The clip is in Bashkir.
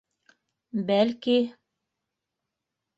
Бәлки...